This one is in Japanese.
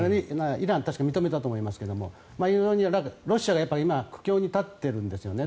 イラン、確か認めたと思いますがロシアが今、苦境に立っているんですよね。